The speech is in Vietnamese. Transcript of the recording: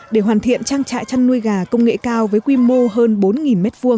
để hoàn thiện trang trại chăn nuôi gà công nghệ cao với quy mô hơn bốn m hai